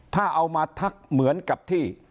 ถ้าเอามาทักเหมือนกับที่